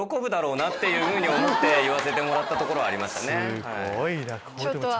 ・すごいな！